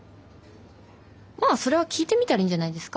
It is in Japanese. まあそれは聞いてみたらいいんじゃないですか。